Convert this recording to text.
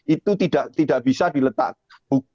itu tidak bisa diletak